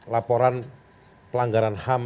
laporan pelanggaran ham